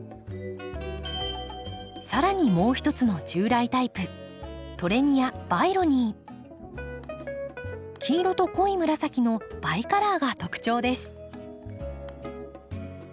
更にもう一つの従来タイプ黄色と濃い紫のバイカラーが特徴です。